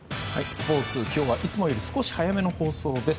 スポーツ、今日はいつもより少し早めの放送です。